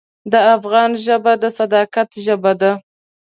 د افغان ژبه د صداقت ژبه ده.